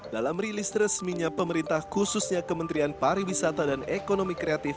dalam rilis resminya pemerintah khususnya kementerian pariwisata dan ekonomi kreatif